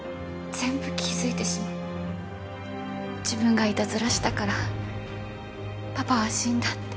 自分がイタズラしたからパパは死んだって。